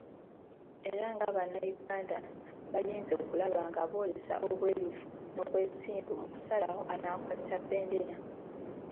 Era nga bannayuganda balinze okulaba nga boolesa obwerufu n’obwesimbu mu kusalawo anaakwata bbendera.